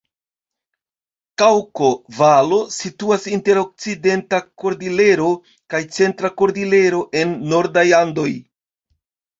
Kaŭko-Valo situas inter Okcidenta Kordilero kaj Centra Kordilero en nordaj Andoj.